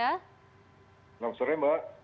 selamat sore mbak